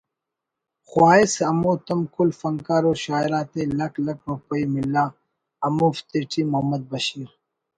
خواہس ہمو تم کل فنکار و شاعر آتے لکھ لکھ روپئی ملا ہموفتیٹی محمد بشیر